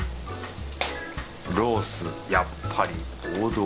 ロースやっぱり王道。